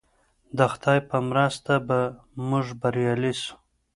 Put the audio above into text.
د خدای په مرسته به موږ بریالي سو.